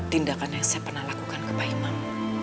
tindakan yang saya pernah lakukan ke pak imam